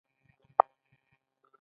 نو ژبه به وده وکړي.